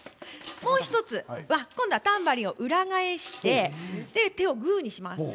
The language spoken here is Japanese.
もう１つは今度はタンバリンを裏返して手をグーにします。